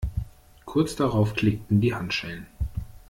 Kurz darauf klickten die Handschellen.